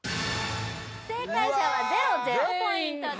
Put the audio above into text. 正解者はゼロゼロポイントです